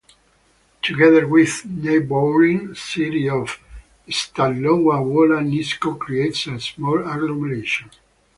Together with neighbouring city of Stalowa Wola, Nisko creates a small agglomeration.